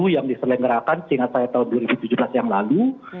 yang diselenggarakan seingat saya tahun dua ribu tujuh belas yang lalu